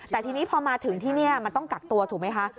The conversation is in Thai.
แต่ทีนี้พอมาถึงที่นี่มันต้องกักตัวถูกไหมคะ